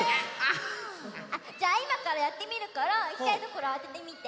じゃあいまからやってみるからいきたいところあててみて。